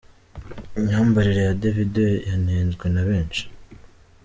Imyambarire ya Davido yanenzwe na benshi.